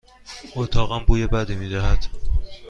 اتاقم بوی بدی می دهد.